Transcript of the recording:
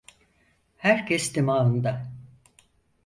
Herkes dimağında.